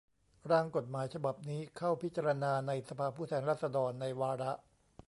ร่างกฎหมายฉบับนี้เข้าพิจารณาในสภาผู้แทนราษฎรในวาระ